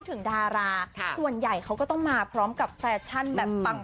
ดาราส่วนใหญ่เขาก็ต้องมาพร้อมกับแฟชั่นแบบปัง